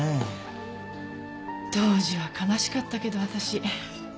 当時は悲しかったけど私。